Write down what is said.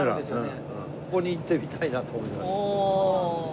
そこに行ってみたいなと思いまして。